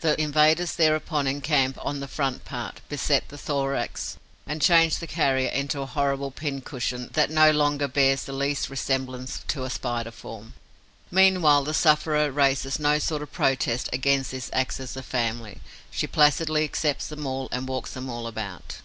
The invaders thereupon encamp on the front part, beset the thorax and change the carrier into a horrible pin cushion that no longer bears the least resemblance to a Spider form. Meanwhile, the sufferer raises no sort of protest against this access of family. She placidly accepts them all and walks them all about.